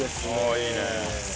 いいね。